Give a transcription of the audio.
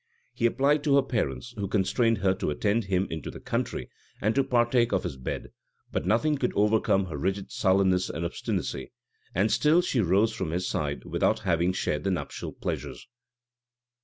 He applied to her parents, who constrained her to attend him into the country, and to partake of his bed: but nothing could overcome her rigid sullenness and obstinacy; and she still rose from his side without having shared the nuptial pleasures.